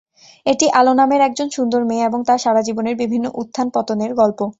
এটি আলো নামের একজন সুন্দর মেয়ে এবং তার সারা জীবনের বিভিন্ন উত্থান ও পতনের গল্প।